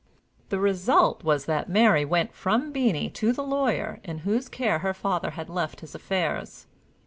The result was that Mary went from Beenie to the lawyer in whose care her father had left his affairs.